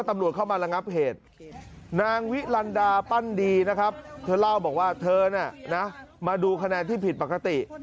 อันดาปั้นดีนะครับเธอเล่าบอกว่าเธอน่ะมาดูคะแนนที่ผิดปกติ